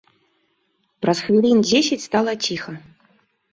Праз хвілін дзесяць стала ціха.